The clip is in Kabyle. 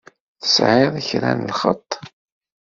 Tesɛiḍ kra n lxeṭṭ?